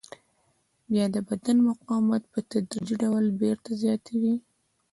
بیا د بدن مقاومت په تدریجي ډول بېرته زیاتوي.